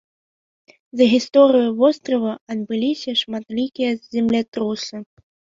За гісторыю вострава адбыліся шматлікія землятрусы.